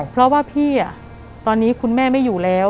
เพราะว่าพี่ตอนนี้คุณแม่ไม่อยู่แล้ว